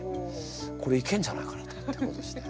これいけんじゃないかなってことでしてね。